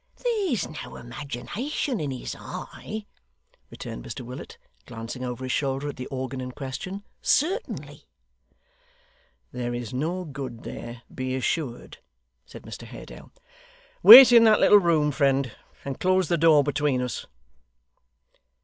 'There's no imagination in his eye,' returned Mr Willet, glancing over his shoulder at the organ in question, 'certainly.' 'There is no good there, be assured,' said Mr Haredale. 'Wait in that little room, friend, and close the door between us.